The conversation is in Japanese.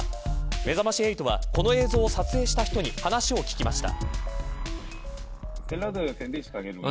めざまし８はこの映像を撮影した人に話を聞きました。